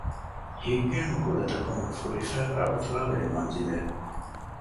ހިތްގައިމު ކުލަތަކުން ފުރިފައިވާ އުފާވެރި މަންޒިލެއް